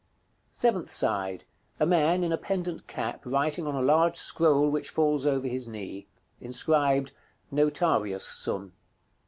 Seventh side. A man, in a pendent cap, writing on a large scroll which falls over his knee. Inscribed "NOTARIUS SUM."